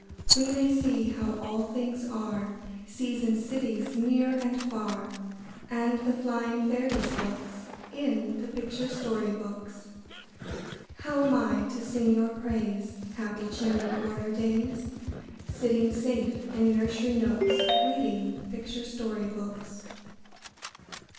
We may see how all things are, Seas and cities, near and far, And the flying fairies' looks, In the picture story books. How am I to sing your praise, Happy chimney corner days, Sitting safe in nursery nooks, Reading picture story books?